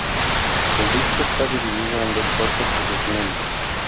El disco está dividido en dos partes o Segmentos.